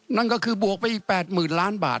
นั่นก็คือบวกไปอีก๘๐๐๐ล้านบาท